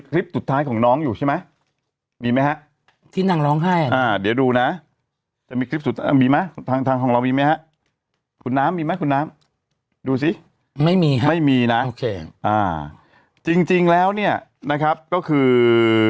คริปสุดท้ายของน้องอยู่ใช่ไหมดูนะมีทางหรอกดูนะเนี่ยคือ